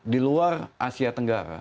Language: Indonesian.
di luar asia tenggara